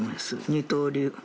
「二刀流。